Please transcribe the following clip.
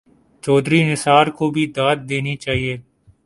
چوہدری نثار کو بھی داد دینی چاہیے۔